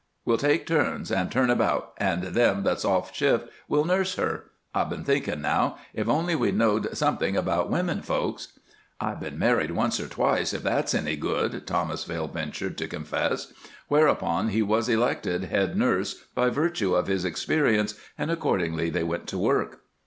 We'll take turn an' turn about, an' them that's off shift will nurse her. I've been thinkin' now if only we knowed something about women folks " "I been married once or twice, if that's any good," Thomasville ventured to confess; whereupon he was elected head nurse by virtue of his experience, and accordingly they went to work.